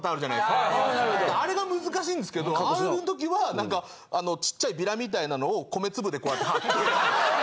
あれが難しいんですけどああいうときは何かあのちっちゃいビラみたいなのを米粒でこうやって貼って。